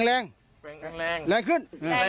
แรงแรงขึ้น